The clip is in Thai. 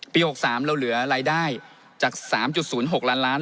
๖๓เราเหลือรายได้จาก๓๐๖ล้านล้าน